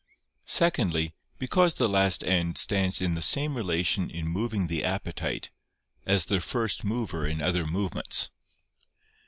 Secondly, because the last end stands in the same relation in moving the appetite, as the first mover in other movements.